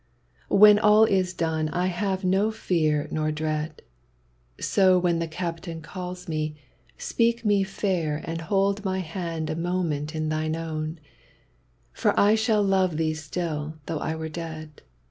When all is done, I have no fear nor dread, So when the Captain calls me, speak me fair And hold my hand a moment in thine own; For I should love thee still though I were dead.